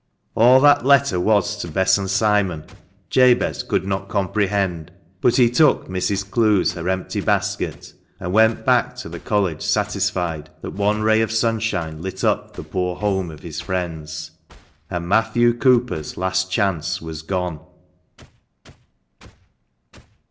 All that letter was to Bess and Simon, Jabez could not com prehend ; but he took Mrs. Clowes her empty basket, and went back to the College satisfied that one ray of sunshine lit up the poor home of his friends. And Matthew Cooper's last chance was gone.